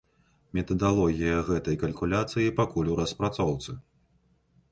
Метадалогія гэтай калькуляцыі пакуль у распрацоўцы.